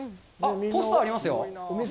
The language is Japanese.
ポスターがありますよ。